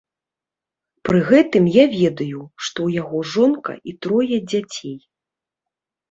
Пры гэтым я ведаю, што ў яго жонка і трое дзяцей.